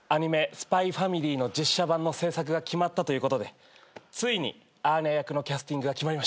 『ＳＰＹ×ＦＡＭＩＬＹ』の実写版の制作が決まったということでついにアーニャ役のキャスティングが決まりました。